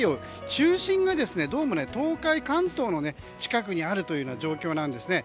中心がどうも東海、関東の近くにあるという状況なんですね。